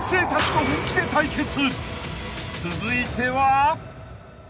［続いては］